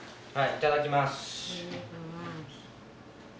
いただきます。